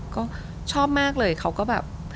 ก็ชอบมากเลยเขาก็แบบ